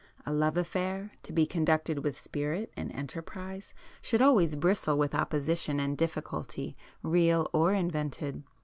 A love affair, to be conducted with spirit and enterprise should always bristle with opposition and difficulty, real or invented.